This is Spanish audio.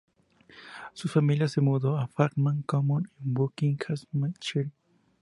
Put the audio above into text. Su familia se mudó a Farnham Common en Buckinghamshire.